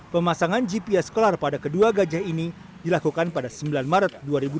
pemasangan gps colar pada kedua gajah ini dilakukan pada sembilan maret dua ribu dua puluh